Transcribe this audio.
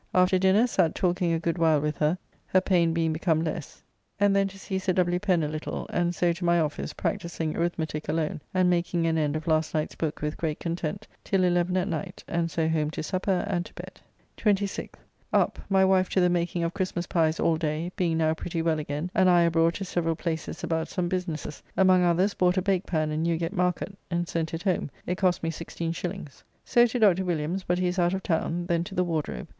After dinner sat talking a good while with her, her [pain] being become less, and then to see Sir W. Pen a little, and so to my office, practising arithmetique alone and making an end of last night's book with great content till eleven at night, and so home to supper and to bed. 26th. Up, my wife to the making of Christmas pies all day, being now pretty well again, and I abroad to several places about some businesses, among others bought a bake pan in Newgate Market, and sent it home, it cost me 16s. So to Dr. Williams, but he is out of town, then to the Wardrobe.